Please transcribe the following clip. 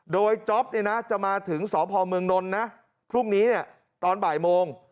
โดยจ๊อปจะมาถึงสพเมืองนนท์นะพรุ่งนี้ตอนบ่ายโมง